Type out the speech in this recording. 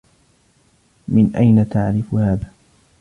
من أينَ تعرف هذا؟